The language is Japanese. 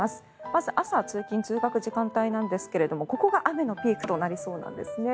まず朝通勤・通学時間帯なんですがここが雨のピークとなりそうなんですね。